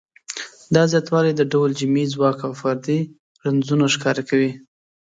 دا زیاتوالی د ډول جمعي ځواک او فردي رنځونه ښکاره کوي.